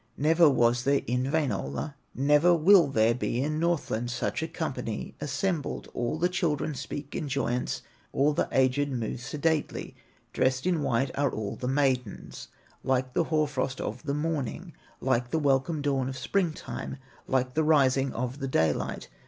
Never was there in Wainola, Never will there be in Northland, Such a company assembled; All the children speak in joyance, All the aged move sedately; Dressed in white are all the maidens, Like the hoar frost of the morning, Like the welcome dawn of spring time, Like the rising of the daylight.